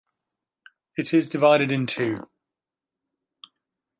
It is divided in two.